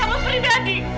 kamu dusta tolong